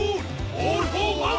オールフォーワン！